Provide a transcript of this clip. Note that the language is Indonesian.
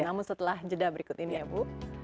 namun setelah jeda berikut ini ya bu